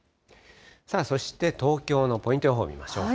さあ、そして東京のポイント予報見ましょう。